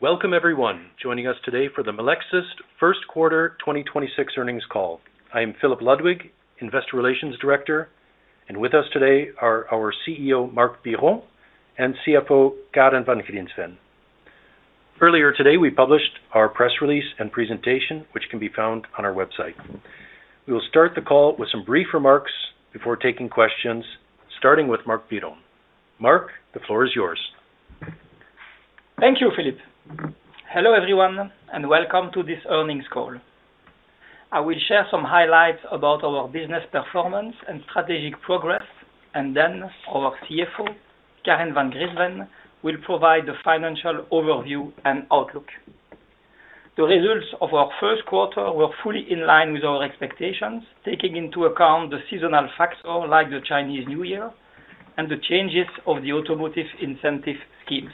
Welcome everyone joining us today for the Melexis first quarter 2026 earnings call. I am Philip Ludwig, Investor Relations Director, and with us today are our CEO, Marc Biron, and CFO, Karen Van Griensven. Earlier today, we published our press release and presentation, which can be found on our website. We will start the call with some brief remarks before taking questions, starting with Marc Biron. Marc, the floor is yours. Thank you, Philip. Hello, everyone, and welcome to this earnings call. I will share some highlights about our business performance and strategic progress, and then our CFO, Karen Van Griensven, will provide the financial overview and outlook. The results of our first quarter were fully in line with our expectations, taking into account the seasonal factor like the Chinese New Year and the changes of the automotive incentive schemes.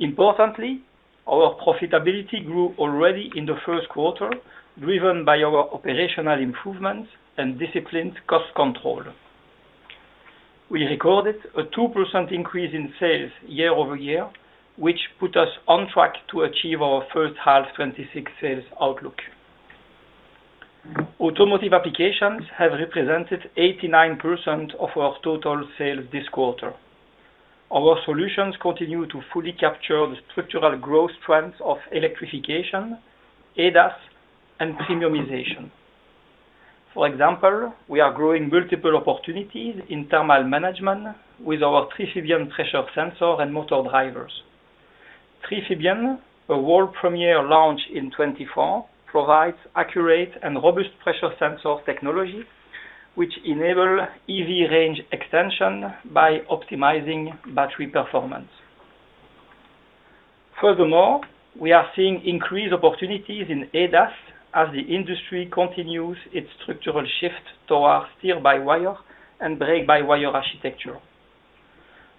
Importantly, our profitability grew already in the first quarter, driven by our operational improvements and disciplined cost control. We recorded a 2% increase in sales year-over-year, which put us on track to achieve our first half 2026 sales outlook. Automotive applications have represented 89% of our total sales this quarter. Our solutions continue to fully capture the structural growth trends of electrification, ADAS, and premiumization. For example, we are growing multiple opportunities in thermal management with our Triphibian pressure sensor and motor drivers. Triphibian, a world premiere launch in 2024, provides accurate and robust pressure sensor technology which enable EV range extension by optimizing battery performance. Furthermore, we are seeing increased opportunities in ADAS as the industry continues its structural shift towards steer-by-wire and brake-by-wire architecture.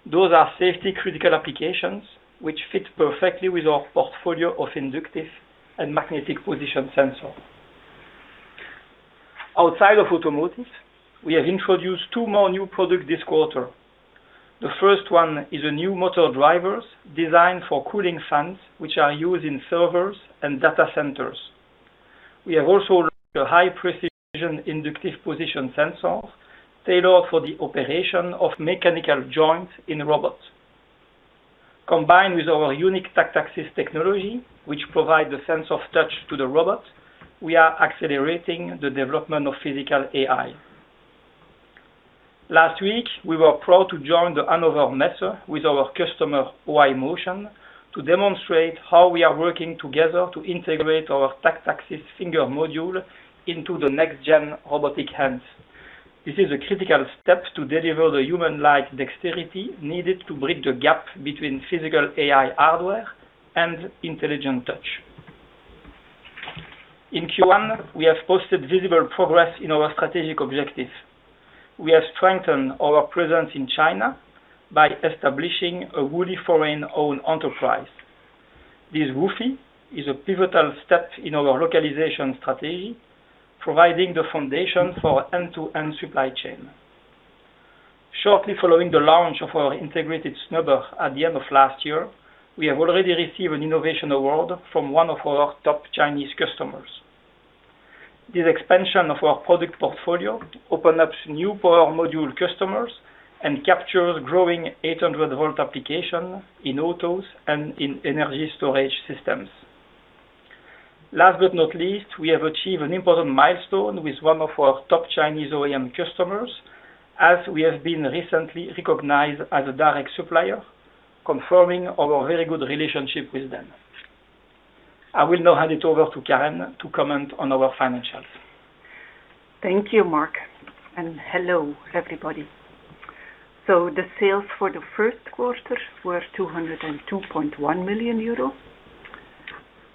Those are safety critical applications which fit perfectly with our portfolio of inductive and magnetic position sensor. Outside of automotive, we have introduced two more new product this quarter. The first one is a new motor drivers designed for cooling fans which are used in servers and data centers. We have also a high precision inductive position sensor tailored for the operation of mechanical joints in robots. Combined with our unique Tactaxis technology, which provide the sense of touch to the robot, we are accelerating the development of physical AI. Last week, we were proud to join the Hannover Messe with our customer, OYMotion, to demonstrate how we are working together to integrate our Tactaxis finger module into the next-gen robotic hands. This is a critical step to deliver the human-like dexterity needed to bridge the gap between physical AI hardware and intelligent touch. In Q1, we have posted visible progress in our strategic objectives. We have strengthened our presence in China by establishing a wholly foreign-owned enterprise. This WFOE is a pivotal step in our localization strategy, providing the foundation for end-to-end supply chain. Shortly following the launch of our integrated snubber at the end of last year, we have already received an innovation award from one of our top Chinese customers. This expansion of our product portfolio opened up new power module customers and captures growing 800 volt application in autos and in energy storage systems. Last but not least, we have achieved an important milestone with one of our top Chinese OEM customers, as we have been recently recognized as a direct supplier, confirming our very good relationship with them. I will now hand it over to Karen to comment on our financials. Thank you, Marc, and hello, everybody. The sales for the first quarter were 202.1 million euro,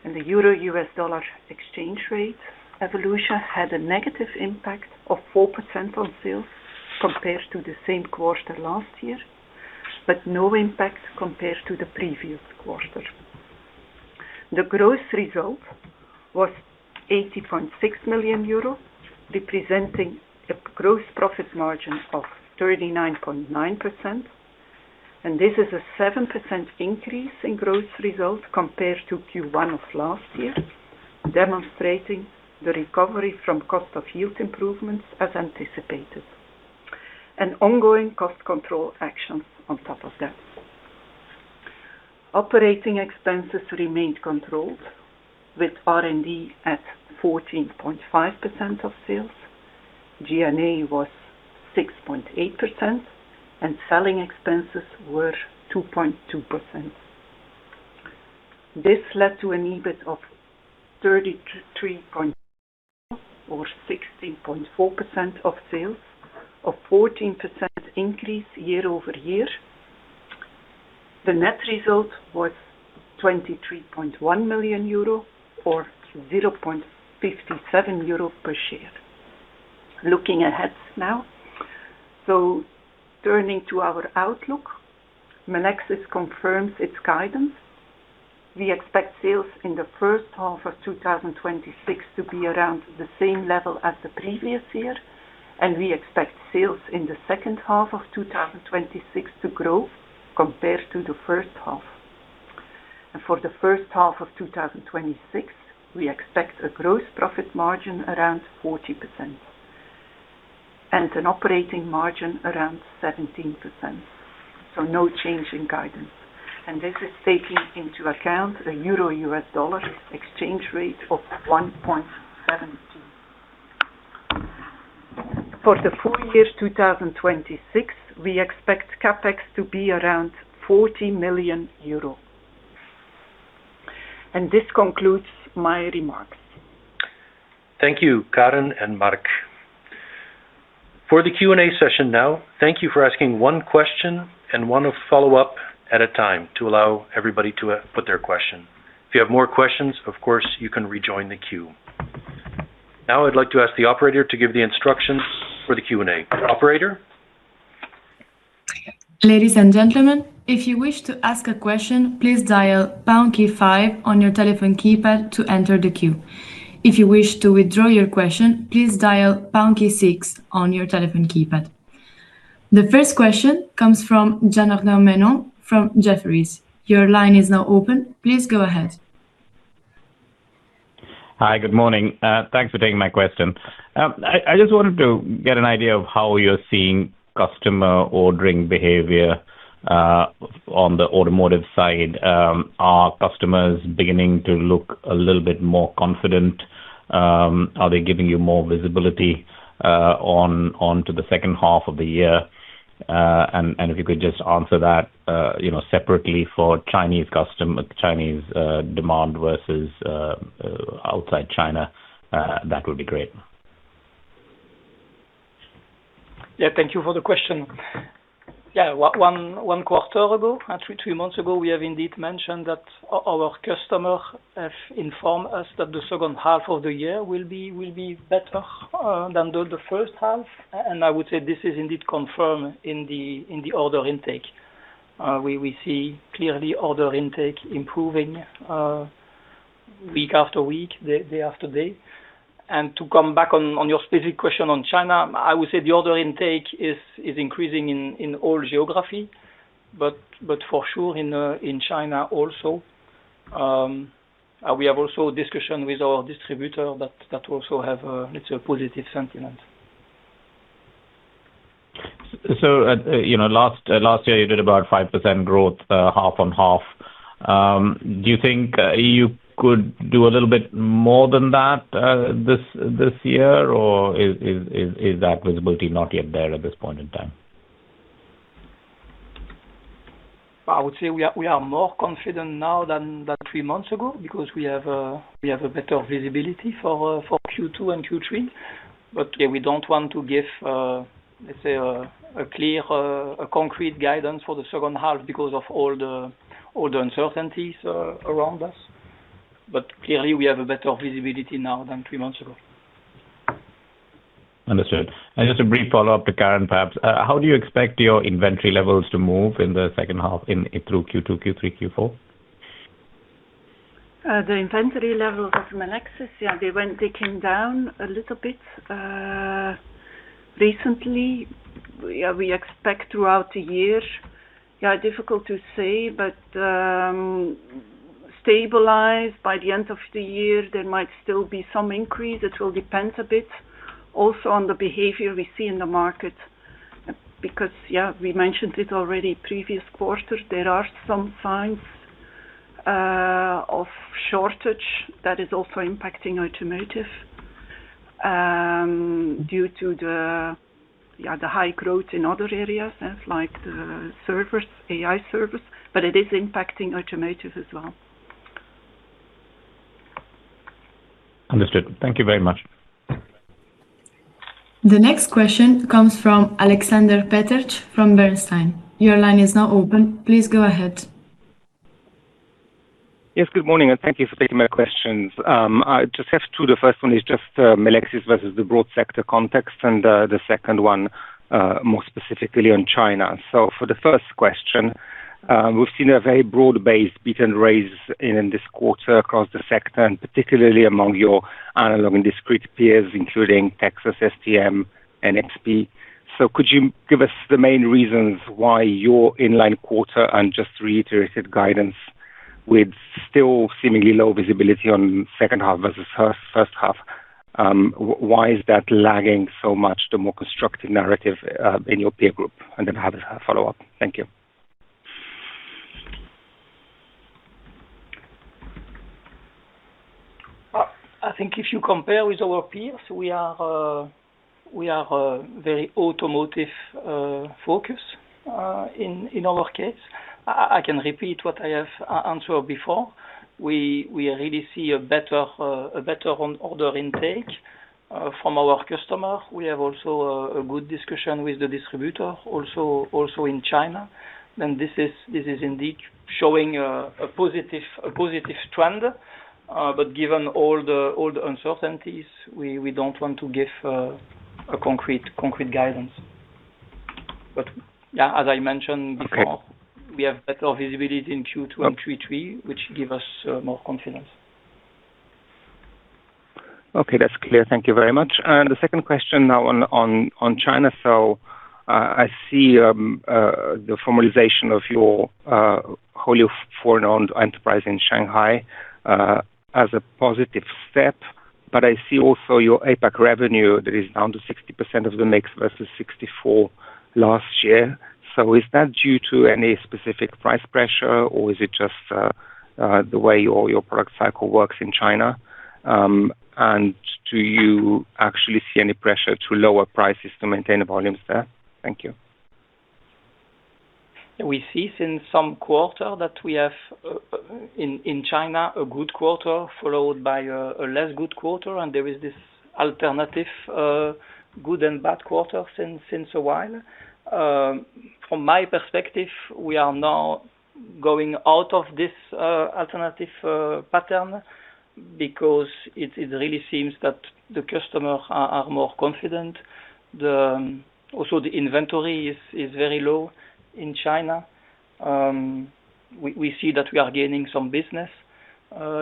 and the euro-U.S. dollar exchange rate evolution had a negative impact of 4% on sales compared to the same quarter last year, but no impact compared to the previous quarter. The gross result was 80.6 million euro, representing a gross profit margin of 39.9%, and this is a 7% increase in gross results compared to Q1 of last year, demonstrating the recovery from cost of yield improvements as anticipated, and ongoing cost control actions on top of that. Operating expenses remained controlled, with R&D at 14.5% of sales. G&A was 6.8%, and selling expenses were 2.2%. This led to an EBIT of 16.4% of sales, a 14% increase year-over-year. The net result was 23.1 million euro or 0.57 euro per share. Looking ahead now. Turning to our outlook, Melexis confirms its guidance. We expect sales in the first half of 2026 to be around the same level as the previous year. We expect sales in the second half of 2026 to grow compared to the first half. For the first half of 2026, we expect a gross profit margin around 40% and an operating margin around 17%. No change in guidance. This is taking into account a euro-U.S. dollar exchange rate of 1.17. For the full year 2026, we expect CapEx to be around 40 million euro. This concludes my remarks. Thank you, Karen and Marc. For the Q&A session now, thank you for asking one question and one follow-up at a time to allow everybody to put their question. If you have more questions, of course, you can rejoin the queue. I'd like to ask the operator to give the instructions for the Q&A. Operator? Ladies and gentlemen if you wish to ask a question please dial pound key five on your telephone keypad. The first question comes from Janardan Menon from Jefferies. Your line is now open. Please go ahead. Hi. Good morning. Thanks for taking my question. I just wanted to get an idea of how you're seeing customer ordering behavior on the automotive side. Are customers beginning to look a little bit more confident? Are they giving you more visibility on to the second half of the year? If you could just answer that, you know, separately for Chinese demand versus outside China, that would be great. Thank you for the question. One quarter ago, actually three months ago, we have indeed mentioned that our customer have informed us that the second half of the year will be better than the first half. I would say this is indeed confirmed in the order intake. We see clearly order intake improving week-after-week, day-after-day. To come back on your specific question on China, I would say the order intake is increasing in all geography, but for sure in China also. We have also discussion with our distributor that also have a little positive sentiment. You know, last year you did about 5% growth, half-on-half. Do you think you could do a little bit more than that this year, or is that visibility not yet there at this point in time? I would say we are more confident now than three months ago because we have a better visibility for Q2 and Q3. Yeah, we don't want to give a clear, a concrete guidance for the second half because of all the uncertainties around us. Clearly, we have a better visibility now than three months ago. Understood. Just a brief follow-up to Karen, perhaps. How do you expect your inventory levels to move in the second half through Q2, Q3, Q4? The inventory levels of Melexis, yeah, they came down a little bit recently. We expect throughout the year. Difficult to say, but stabilized by the end of the year, there might still be some increase. It will depends a bit also on the behavior we see in the market because we mentioned it already previous quarter, there are some signs of shortage that is also impacting automotive due to the high growth in other areas, yes, like the servers, AI servers, but it is impacting automotive as well. Understood. Thank you very much. The next question comes from Alexander Peterc from Bernstein. Your line is now open. Please go ahead. Yes, good morning, and thank you for taking my questions. I just have two. The first one is just Melexis versus the broad sector context, and the second one more specifically on China. For the first question, we've seen a very broad-based beat and raise in this quarter across the sector, and particularly among your analog and discrete peers, including Texas, STM, NXP. Could you give us the main reasons why your inline quarter and just reiterated guidance with still seemingly low visibility on second half versus first half, why is that lagging so much the more constructive narrative in your peer group? I have a follow-up. Thank you. I think if you compare with our peers, we are very automotive focused in our case. I can repeat what I have answered before. We really see a better on order intake from our customer. We have also a good discussion with the distributor also in China. This is indeed showing a positive trend, given all the uncertainties, we don't want to give a concrete guidance. Yeah, as I mentioned before. Okay we have better visibility in Q2 and Q3, which give us more confidence. Okay. That's clear. Thank you very much. The second question now on China. I see the formalization of your wholly foreign-owned enterprise in Shanghai as a positive step. I see also your APAC revenue that is down to 60% of the mix versus 64% last year. Is that due to any specific price pressure, or is it just the way all your product cycle works in China? Do you actually see any pressure to lower prices to maintain the volumes there? Thank you. We see since some quarter that we have in China a good quarter followed by a less good quarter. There is this alternative good and bad quarter since a while. From my perspective, we are now going out of this alternative pattern because it really seems that the customer are more confident. Also, the inventory is very low in China. We see that we are gaining some business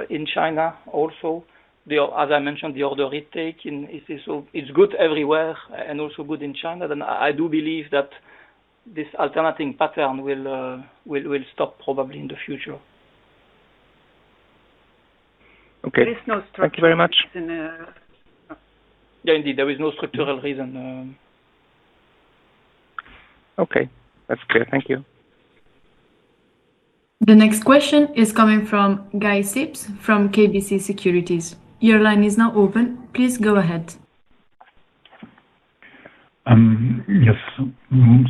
in China also. As I mentioned, the order retake in it is good everywhere and also good in China. I do believe that this alternating pattern will stop probably in the future. Okay. There is no structural reason. Thank you very much. Yeah, indeed. There is no structural reason. Okay. That is clear. Thank you. The next question is coming from Guy Sips from KBC Securities. Your line is now open. Please go ahead. Yes.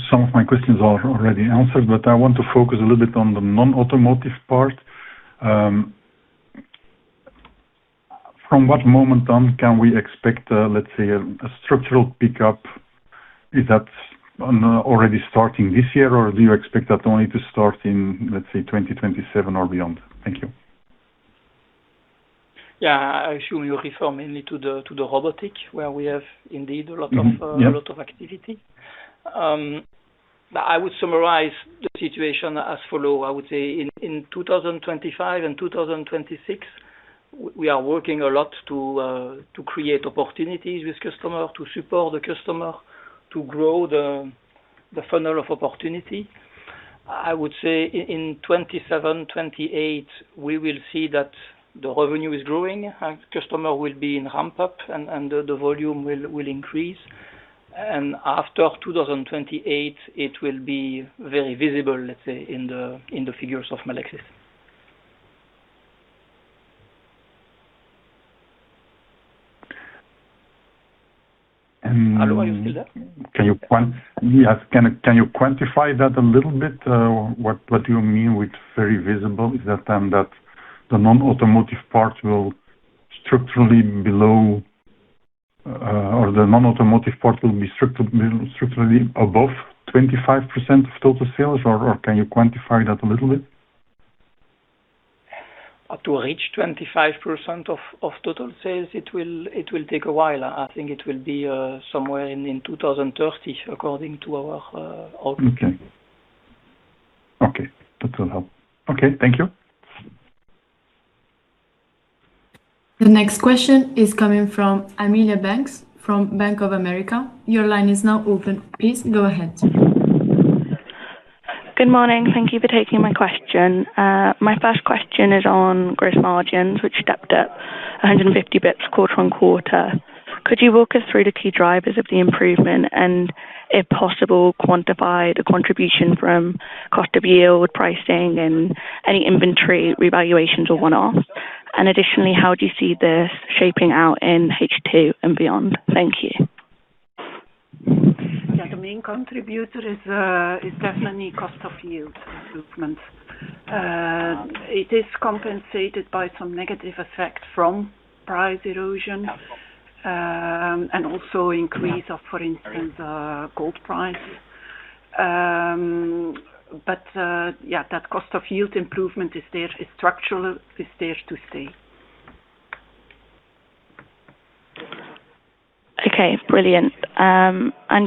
Some of my questions are already answered, but I want to focus a little bit on the non-automotive part. From what moment on can we expect, let's say a structural pickup? Is that already starting this year, or do you expect that only to start in, let's say, 2027 or beyond? Thank you. Yeah. I assume you refer mainly to the, to the robotic, where we have indeed a lot of- Mm-hmm. Yeah. A lot of activity. I would summarize the situation as follow. In 2025 and 2026, we are working a lot to create opportunities with customer, to support the customer, to grow the funnel of opportunity. In 2027, 2028, we will see that the revenue is growing and customer will be in ramp-up and the volume will increase. After 2028, it will be very visible, let's say, in the figures of Melexis. And- How do I see that? Yes. Can you quantify that a little bit? What do you mean with very visible? Is that the non-automotive part will structurally below, or the non-automotive part will be structurally above 25% of total sales, or can you quantify that a little bit? To reach 25% of total sales, it will take a while. I think it will be somewhere in 2030, according to our outlook. Okay. Okay. That will help. Okay. Thank you. The next question is coming from Amelia Banks from Bank of America. Your line is now open. Please go ahead. Good morning. Thank you for taking my question. My first question is on gross margins, which stepped up 150 basis points quarter-over-quarter. Could you walk us through the key drivers of the improvement and, if possible, quantify the contribution from cost of yield, pricing and any inventory revaluations or one-off? Additionally, how do you see this shaping out in H2 and beyond? Thank you. The main contributor is definitely cost of yield improvement. It is compensated by some negative effect from price erosion and also increase of, for instance, gold price. That cost of yield improvement is there, is structural, is there to stay. Okay. Brilliant.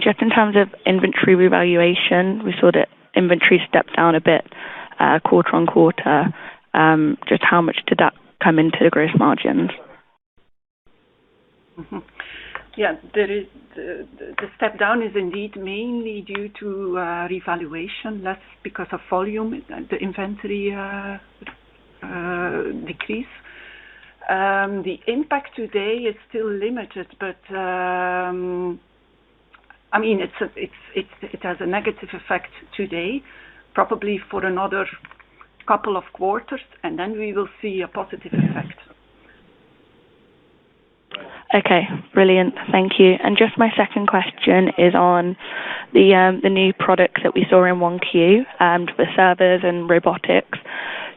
Just in terms of inventory revaluation, we saw that inventory stepped down a bit quarter-on-quarter. Just how much did that come into the gross margins? Yeah. The step down is indeed mainly due to revaluation. That's because of volume. The inventory decrease. The impact today is still limited, I mean, it has a negative effect today, probably for another couple of quarters, then we will see a positive effect. Okay. Brilliant. Thank you. Just my second question is on the new products that we saw in 1Q, the servers and robotics.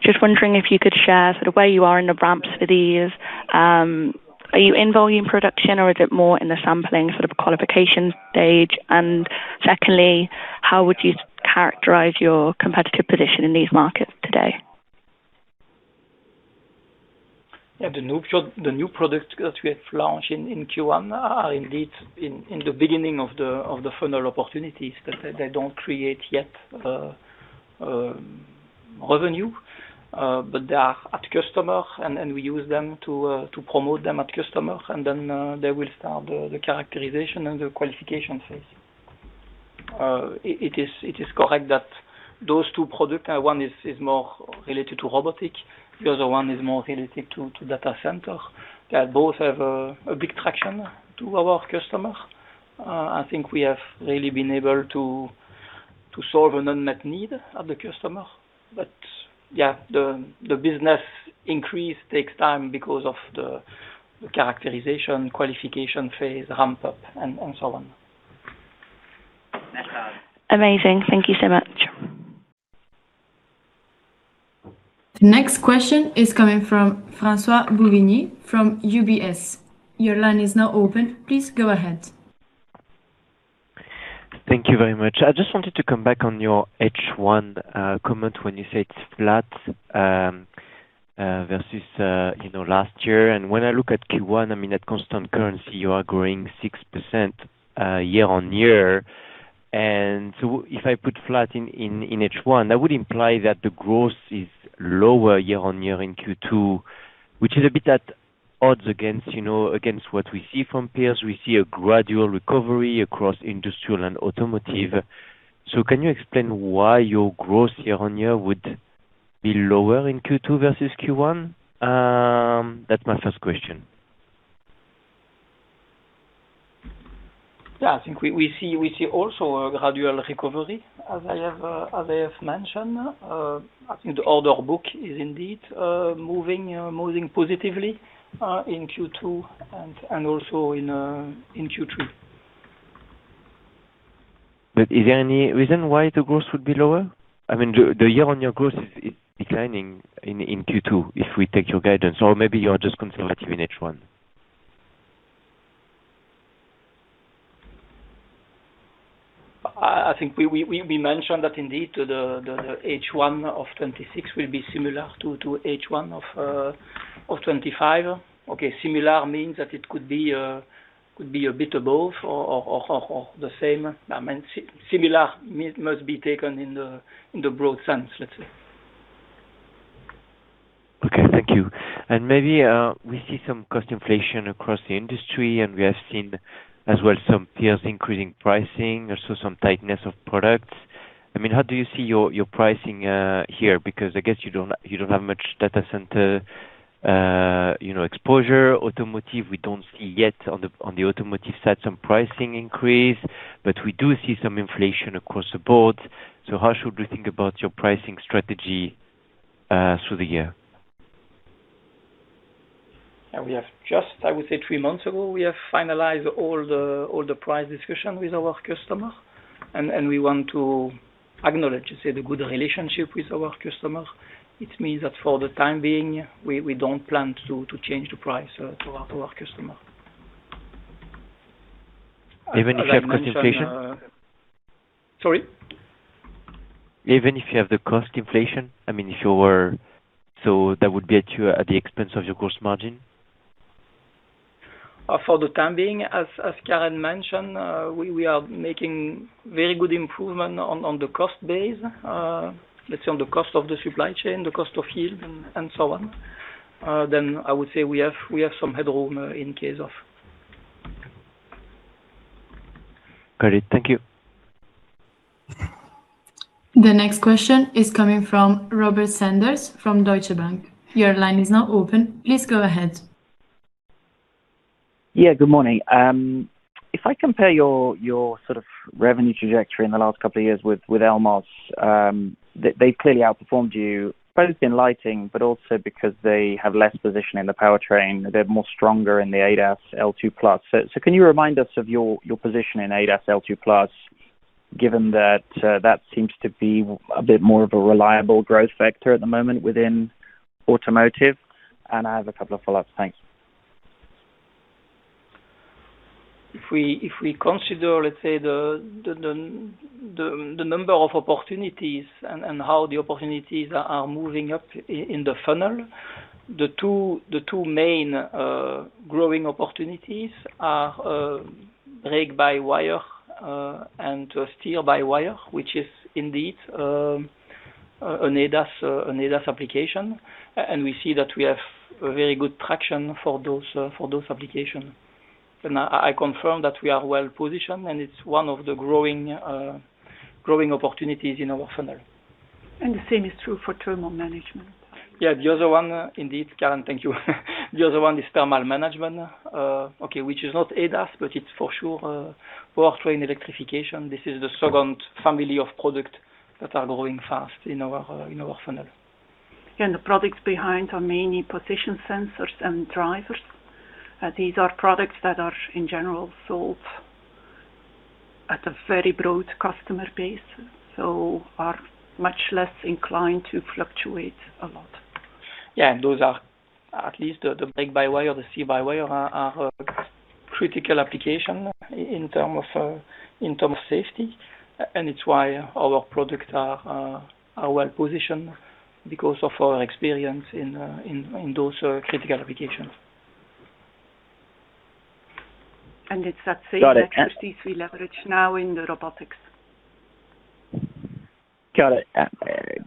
Just wondering if you could share sort of where you are in the ramps for these. Are you in volume production or is it more in the sampling sort of qualification stage? Secondly, how would you characterize your competitive position in these markets today? The new product that we have launched in Q1 are indeed in the beginning of the funnel opportunities. They don't create yet revenue, but they are at customer and we use them to promote them at customer. They will start the characterization and the qualification phase. It is correct that those two product, one is more related to robotic, the other one is more related to data center. They both have a big traction to our customer. I think we have really been able to solve an unmet need of the customer. Yeah, the business increase takes time because of the characterization, qualification phase, ramp-up and so on. Amazing. Thank you so much. The next question is coming from François Bouvignies from UBS. Your line is now open. Please go ahead. Thank you very much. I just wanted to come back on your H1 comment when you said flat versus, you know, last year. When I look at Q1, I mean, at constant currency, you are growing 6% year-on-year. If I put flat in H1, that would imply that the growth is lower year-on-year in Q2, which is a bit at odds against, you know, against what we see from peers. We see a gradual recovery across industrial and automotive. Can you explain why your growth year-on-year would be lower in Q2 versus Q1? That's my first question. Yeah, I think we see also a gradual recovery as I have mentioned. I think the order book is indeed moving positively in Q2 and also in Q3. Is there any reason why the growth would be lower? I mean, the year-over-year growth is declining in Q2 if we take your guidance or maybe you are just conservative in H1. I think we mentioned that indeed the H1 of 2026 will be similar to H1 of 2025. Okay, similar means that it could be a bit above or the same. I mean, similar must be taken in the broad sense, let's say. Okay, thank you. Maybe, we see some cost inflation across the industry, and we have seen as well some peers increasing pricing, also some tightness of products. I mean, how do you see your pricing here? Because I guess you don't, you don't have much data center, you know, exposure. Automotive, we don't see yet on the automotive side some pricing increase, but we do see some inflation across the board. How should we think about your pricing strategy through the year? We have just, I would say three months ago, we have finalized all the price discussion with our customer. We want to acknowledge, say, the good relationship with our customer. It means that for the time being, we don't plan to change the price to our customer. Even if you have cost inflation? Sorry? Even if you have the cost inflation, I mean, that would be at the expense of your cost margin. For the time being, as Karen mentioned, we are making very good improvement on the cost base. Let's say on the cost of the supply chain, the cost of yield and so on. I would say we have some headroom in case of. Got it. Thank you. The next question is coming from Robert Sanders from Deutsche Bank. Your line is now open. Please go ahead. Yeah, good morning. If I compare your sort of revenue trajectory in the last couple of years with Elmos, they've clearly outperformed you both in lighting, but also because they have less position in the powertrain. They're more stronger in the ADAS L2+. Can you remind us of your position in ADAS L2+, given that seems to be a bit more of a reliable growth factor at the moment within automotive? I have a couple of follow-ups. Thank you. If we consider, let's say, the number of opportunities and how the opportunities are moving up in the funnel, the two main growing opportunities are brake-by-wire and steer-by-wire, which is indeed an ADAS application. We see that we have a very good traction for those application. I confirm that we are well-positioned, and it's one of the growing opportunities in our funnel. The same is true for thermal management. Yeah. The other one, indeed, Karen, thank you. The other one is thermal management, okay, which is not ADAS, but it's for sure powertrain electrification. This is the second family of product that are growing fast in our in our funnel. The products behind are mainly position sensors and drivers. These are products that are in general sold at a very broad customer base, so are much less inclined to fluctuate a lot. Yeah. Those are at least the brake-by-wire, the steer-by-wire are critical application in term of safety. It's why our product are well-positioned because of our experience in those critical applications. And it's that same- Got it. Expertise we leverage now in the robotics. Got it.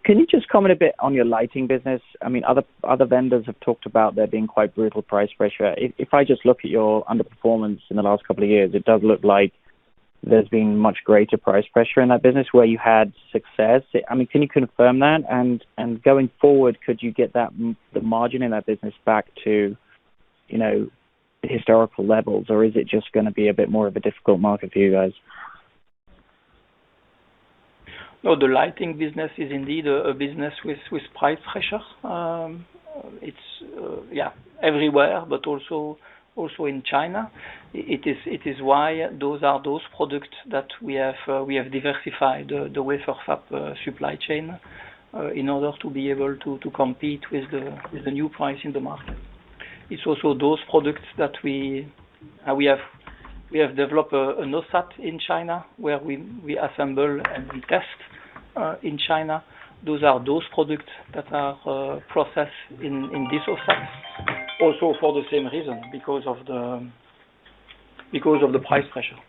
Can you just comment a bit on your lighting business? I mean, other vendors have talked about there being quite brutal price pressure. If I just look at your underperformance in the last couple of years, it does look like there's been much greater price pressure in that business where you had success. I mean, can you confirm that? Going forward, could you get the margin in that business back to, you know, historical levels? Or is it just gonna be a bit more of a difficult market for you guys? No, the lighting business is indeed a business with price pressure. It's everywhere, but also in China. It is why those are products that we have diversified the way for fab supply chain in order to be able to compete with the new price in the market. It's also those products that we have developed an OSAT in China where we assemble and we test in China. Those are products that are processed in these OSATs, also for the same reason, because of the price pressure.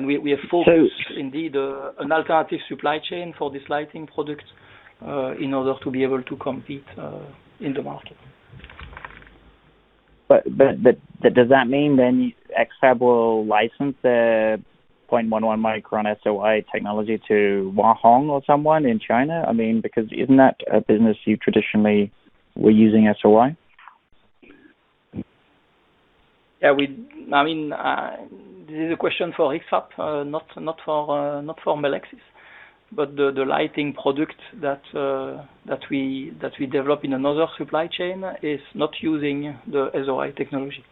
We have focused. So- Indeed, an alternative supply chain for this lighting product, in order to be able to compete, in the market. Does that mean then X-Fab will license the 0.11 micron SOI technology to Huahong or someone in China? I mean, isn't that a business you traditionally were using SOI? Yeah, I mean, this is a question for X-Fab, not for Melexis. The lighting product that we develop in another supply chain is not using the SOI technology.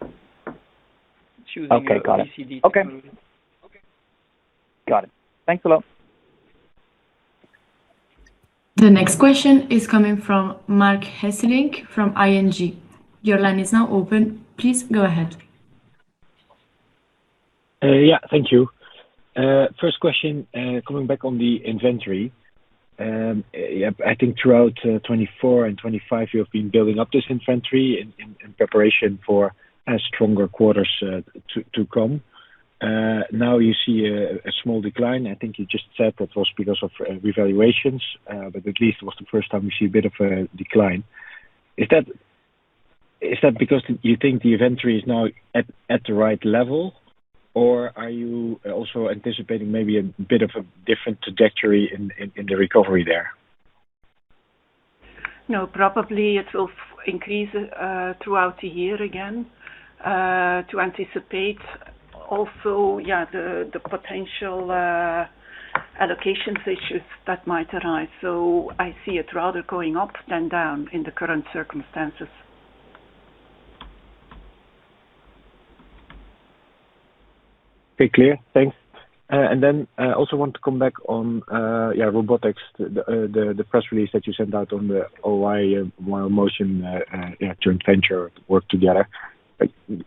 It's using the Okay, got it. BCD technology. Okay. Got it. Thanks a lot. The next question is coming from Marc Hesselink from ING. Your line is now open. Please go ahead. Yeah, thank you. First question, coming back on the inventory. I think throughout 2024 and 2025, you have been building up this inventory in preparation for stronger quarters to come. Now you see a small decline. I think you just said that was because of revaluations. At least it was the first time you see a bit of a decline. Is that because you think the inventory is now at the right level? Are you also anticipating maybe a bit of a different trajectory in the recovery there? No, probably it will increase throughout the year again to anticipate also, yeah, the potential allocations issues that might arise. I see it rather going up than down in the current circumstances. Okay, clear. Thanks. Then I also want to come back on robotics. The press release that you sent out on the OYMotion joint venture work together.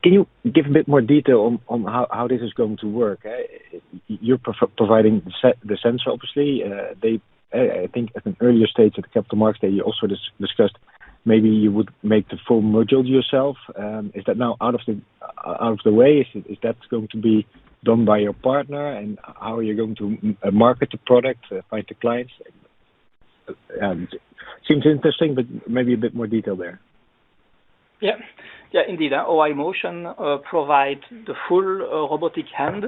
Can you give a bit more detail on how this is going to work? Your providing the sensor, obviously. I think at an earlier stage at the Capital Markets Day, you also discussed maybe you would make the full module yourself. Is that now out of the way? Is that going to be done by your partner? How are you going to market the product, find the clients? Seems interesting, maybe a bit more detail there. Yeah. Yeah, indeed. OYMotion provide the full robotic hand.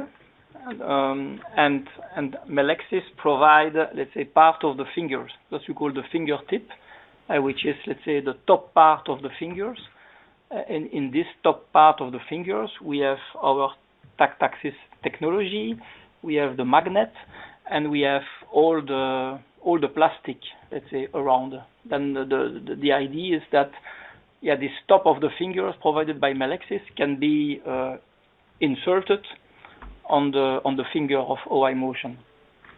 Melexis provide, let's say, part of the fingers, what you call the fingertip, which is, let's say, the top part of the fingers. In this top part of the fingers, we have our Tactaxis technology, we have the magnet, and we have all the plastic, let's say, around. The idea is that this top of the fingers provided by Melexis can be inserted on the finger of OYMotion.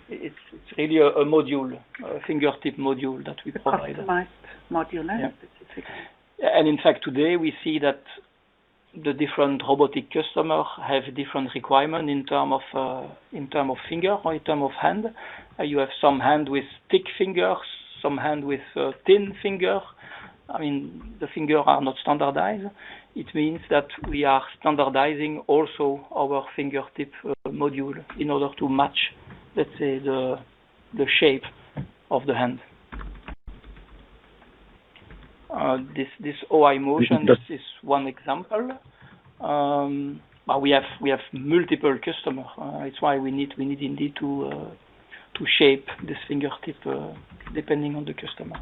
It's really a module, a fingertip module that we provide. Customized module, yeah. Yeah. In fact, today, we see that the different robotic customer have different requirement in terms of finger or in terms of hand. You have some hand with thick fingers, some hand with thin fingers. I mean, the fingers are not standardized. It means that we are standardizing also our fingertip module in order to match, let's say, the shape of the hand. This OYMotion- Just- This is one example. We have multiple customer. It's why we need indeed to shape this fingertip, depending on the customer.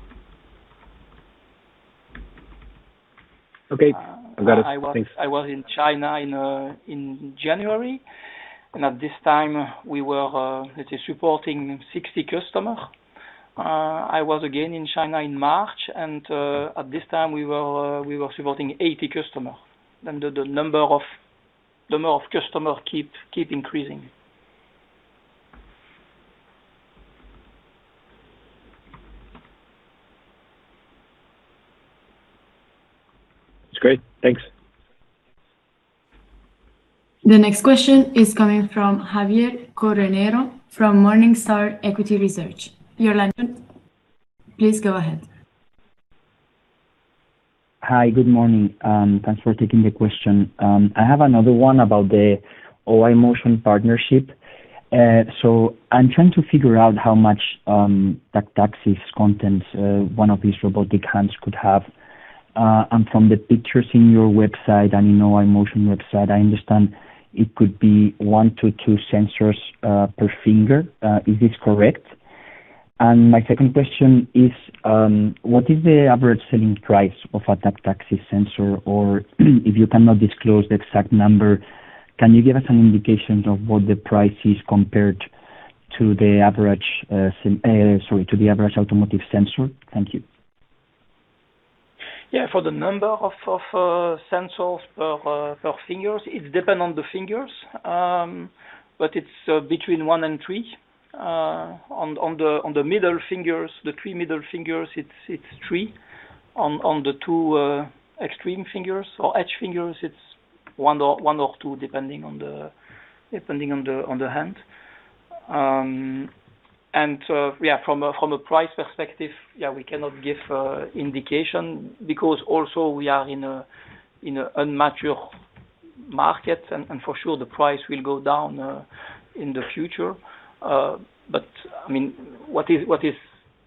Okay. I've got it. Thanks. I was in China in January, and at this time, we were, let's say supporting 60 customer. I was again in China in March, and at this time, we were supporting 80 customer. The number of customer keep increasing. That's great. Thanks. The next question is coming from Javier Correonero from Morningstar Equity Research. Please go ahead. Hi. Good morning. Thanks for taking the question. I have another one about the OYMotion partnership. I'm trying to figure out how much Tactaxis content, one of these robotic hands could have. And from the pictures in your website and in OYMotion website, I understand it could be one to two sensors per finger. Is this correct? My second question is, what is the average selling price of a Tactaxis sensor? If you cannot disclose the exact number, can you give us an indication of what the price is compared to the average, sorry, to the average automotive sensor? Thank you. Yeah, for the number of sensors per fingers, it depend on the fingers. It's between one and three. On the middle fingers, the three middle fingers, it's three. On the two extreme fingers or edge fingers, it's one or two, depending on the hand. From a price perspective, we cannot give a indication because also we are in a immature market and for sure the price will go down in the future. I mean, what is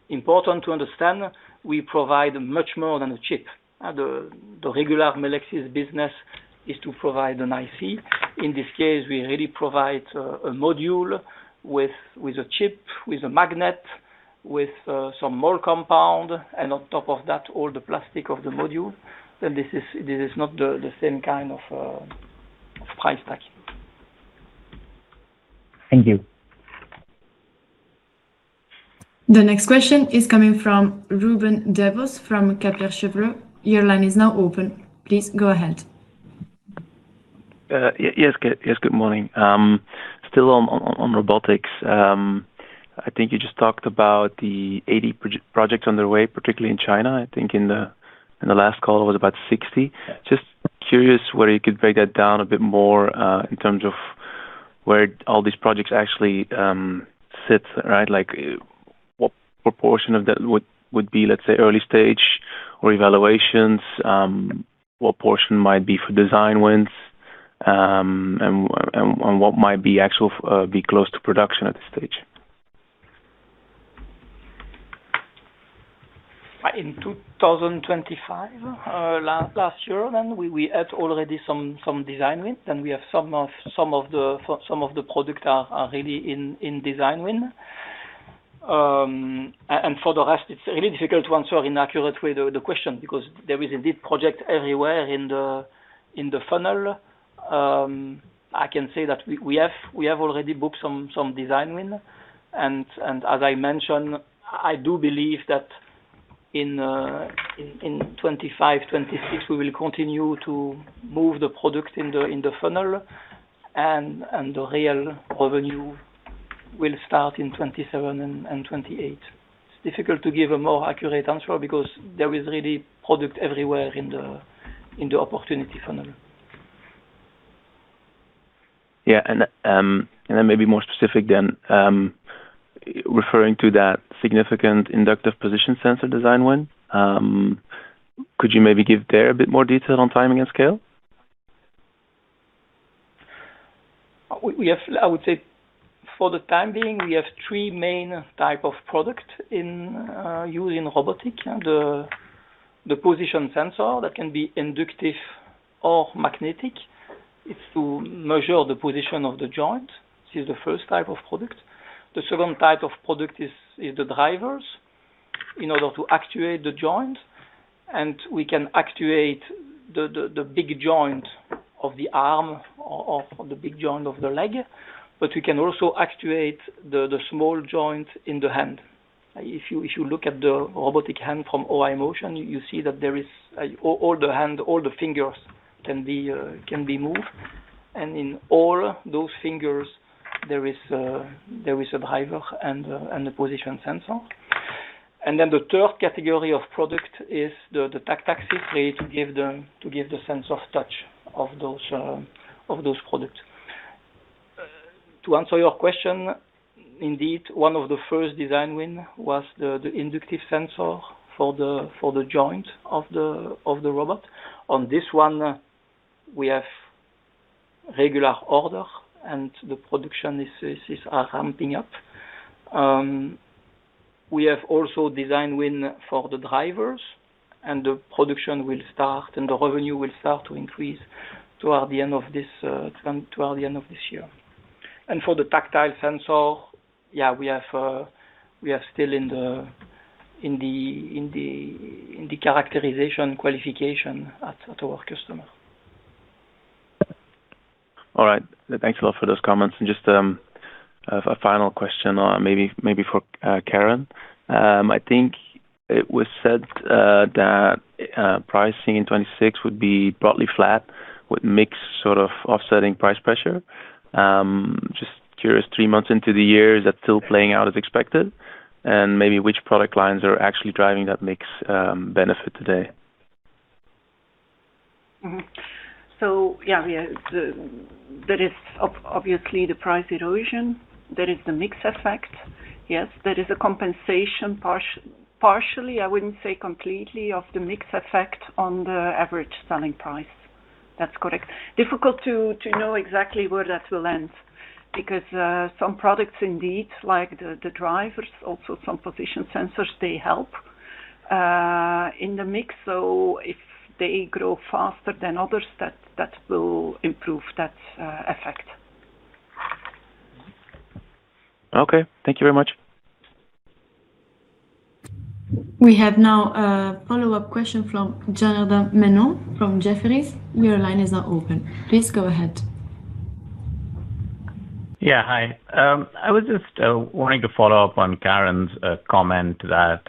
important to understand, we provide much more than a chip. The regular Melexis business is to provide an IC. In this case, we really provide a module with a chip, with a magnet, with some more compound, and on top of that, all the plastic of the module. This is not the same kind of price tag. Thank you. The next question is coming from Ruben Devos from Kepler Cheuvreux. Your line is now open. Please go ahead. Yes, good morning. Still on robotics. I think you just talked about the 80 projects underway, particularly in China. I think in the last call it was about 60. Just curious whether you could break that down a bit more in terms of where all these projects actually sit, right? Like, what proportion of that would be, let's say, early stage or evaluations? What portion might be for design wins? What might be actual, be close to production at this stage? In 2025, last year then, we had already some design wins, and we have some of the product are really in design win. For the rest, it's really difficult to answer in accurate way the question because there is indeed project everywhere in the funnel. I can say that we have already booked some design win. As I mentioned, I do believe that in 2025, 2026 we will continue to move the product in the funnel, and the real revenue will start in 2027 and 2028. It's difficult to give a more accurate answer because there is really product everywhere in the opportunity funnel. Maybe more specific then, referring to that significant inductive position sensor design win, could you maybe give there a bit more detail on timing and scale? We have, I would say for the time being, we have three main type of product in used in robotic. The position sensor that can be inductive or magnetic. It's to measure the position of the joint. This is the first type of product. The second type of product is the drivers in order to actuate the joint. We can actuate the big joint of the arm or the big joint of the leg, but we can also actuate the small joint in the hand. If you look at the robotic hand from OYMotion, you see that there is all the hand, all the fingers can be moved. In all those fingers there is a driver and a position sensor. The third category of product is the Tactaxis created to give the sense of touch of those products. To answer your question, indeed, one of the first design win was the inductive sensor for the joint of the robot. On this one, we have regular order and the production is ramping up. We have also design win for the drivers, and the production will start and the revenue will start to increase toward the end of this year. For the tactile sensor, yeah, we are still in the characterization qualification at our customer. All right. Thanks a lot for those comments. Just a final question for Karen. I think it was said that pricing in 2026 would be broadly flat with mixed sort of offsetting price pressure. Just curious, three months into the year, is that still playing out as expected? Maybe which product lines are actually driving that mix benefit today? Yeah. That is obviously the price erosion. That is the mix effect. Yes, that is a compensation partially, I wouldn't say completely, of the mix effect on the average selling price. That's correct. Difficult to know exactly where that will end because some products indeed, like the drivers, also some position sensors, they help in the mix. If they grow faster than others, that will improve that effect. Okay. Thank you very much. We have now a follow-up question from Janardan Menon from Jefferies. Your line is now open. Please go ahead. Yeah, hi. I was just wanting to follow up on Karen's comment that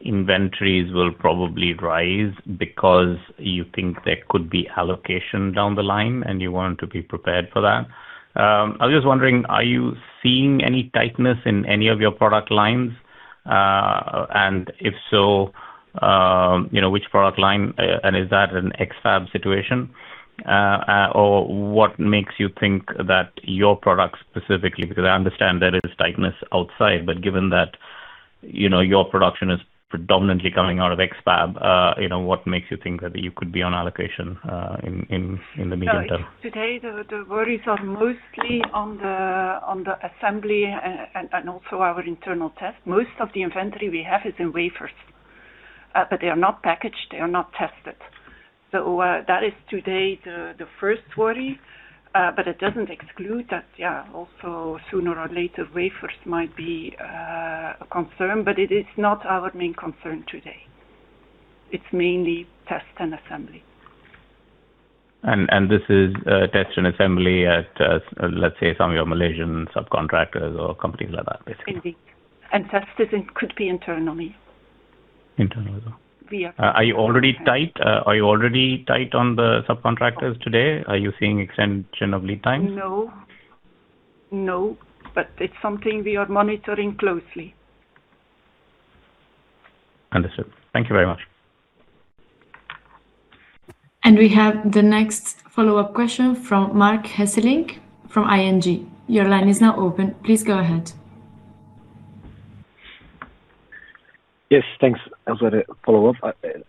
inventories will probably rise because you think there could be allocation down the line, and you want to be prepared for that. I was just wondering, are you seeing any tightness in any of your product lines? If so, you know, which product line, and is that an X-Fab situation? What makes you think that your products specifically, because I understand there is tightness outside, but given that, you know, your production is predominantly coming out of X-Fab, you know, what makes you think that you could be on allocation in the medium term? No. Today, the worries are mostly on the assembly and also our internal test. Most of the inventory we have is in wafers, but they are not packaged, they are not tested. That is today the first worry, but it doesn't exclude that, yeah, also sooner or later, wafers might be a concern, but it is not our main concern today. It's mainly test and assembly. This is test and assembly at, let's say some of your Malaysian subcontractors or companies like that, basically. Indeed. could be internally. Internally. Via- Are you already tight on the subcontractors today? Are you seeing extension of lead times? No. No. It's something we are monitoring closely. Understood. Thank you very much. We have the next follow-up question from Marc Hesselink from ING. Your line is now open. Please go ahead. Yes, thanks. The follow-up.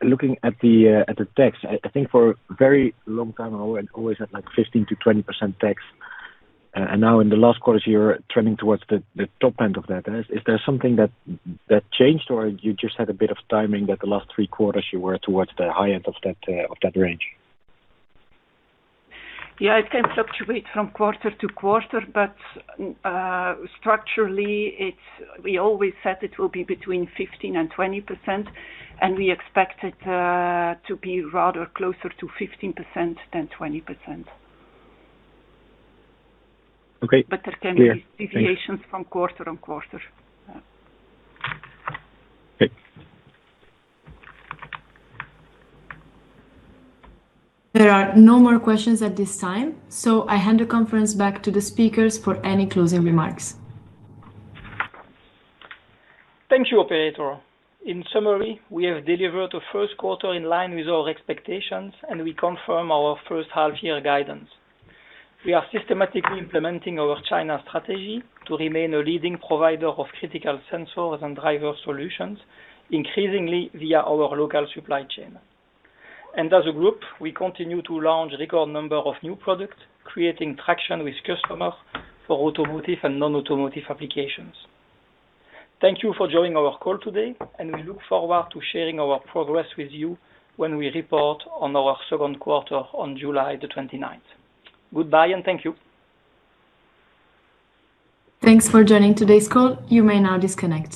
Looking at the tax, I think for a very long time now, you had always had like 15%-20% tax. Now in the last quarter, you're trending towards the top end of that. Is there something that changed, or you just had a bit of timing that the last three quarters you were towards the high end of that range? Yeah. It can fluctuate from quarter-to-quarter, but structurally, we always said it will be between 15% and 20%, and we expect it to be rather closer to 15% than 20%. Okay. Clear. There can be deviations from quarter-on-quarter. Yeah. Okay. There are no more questions at this time, so I hand the conference back to the speakers for any closing remarks. Thank you, operator. In summary, we have delivered a first quarter in line with our expectations, and we confirm our first half year guidance. We are systematically implementing our China strategy to remain a leading provider of critical sensors and driver solutions, increasingly via our local supply chain. As a group, we continue to launch record number of new products, creating traction with customers for automotive and non-automotive applications. Thank you for joining our call today, and we look forward to sharing our progress with you when we report on our second quarter on July 29th. Goodbye, and thank you. Thanks for joining today's call. You may now disconnect.